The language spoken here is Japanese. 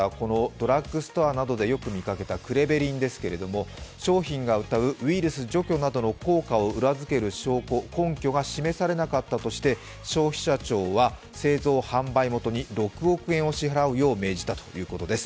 ドラッグストアなどでよく見かけたクレベリンですけれども、商品がうたうウイルス除去などの効果を裏づける証拠、根拠が示されなかったとして、消費者庁は製造販売元に６億円を支払うよう求めたということです。